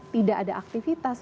tidak ada aktivitas